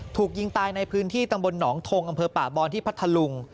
ถูกยิงตายในพื้นที่ตำบลหนองทงอำเภอป่าบอนที่พัทธลุง